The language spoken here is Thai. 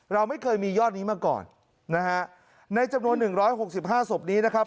เราไม่เคยมียอดนี้มาก่อนนะฮะในจำนวน๑๖๕ศพนี้นะครับ